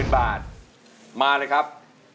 ๔๐๐๐๐บาทมาเลยครับ